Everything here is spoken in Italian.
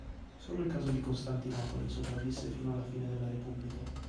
Solo il caso di Costantinopoli sopravvisse fino alla fine della Repubblica.